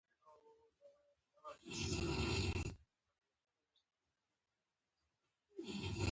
ایا زه باید په نیمروز کې اوسم؟